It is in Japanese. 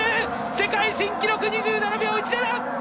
世界新記録２７秒１７！